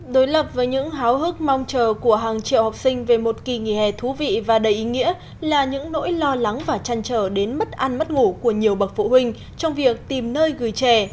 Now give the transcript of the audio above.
đối lập với những háo hức mong chờ của hàng triệu học sinh về một kỳ nghỉ hè thú vị và đầy ý nghĩa là những nỗi lo lắng và trăn trở đến mất ăn mất ngủ của nhiều bậc phụ huynh trong việc tìm nơi gửi trẻ